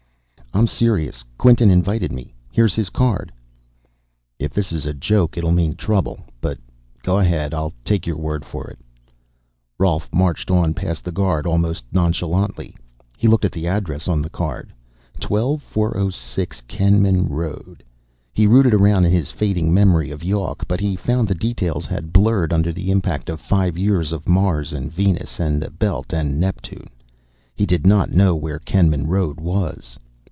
"I'm serious. Quinton invited me. Here's his card." "If this is a joke it'll mean trouble. But go ahead; I'll take your word for it." Rolf marched on past the guard, almost nonchalantly. He looked at the address on the card. 12406 Kenman Road. He rooted around in his fading memory of Yawk, but he found the details had blurred under the impact of five years of Mars and Venus and the Belt and Neptune. He did not know where Kenman Road was.